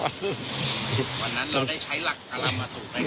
วันนั้นเราได้ใช้หลักกรรมสูตรไหมครับ